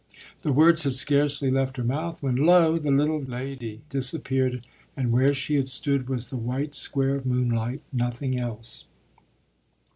The words had scarcely left her mouth when, lo! the little lady disappeared, and where she had stood was the white square of moonlight nothing else.